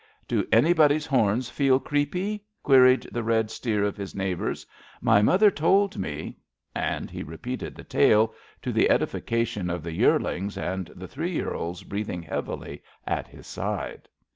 Do anybody's horns feel creepy? '' queried the red steer of his neighbours. My mother told me '^— and he repeated the tale, to the edification of the yearlings and the three year olds breathing heavily at his side.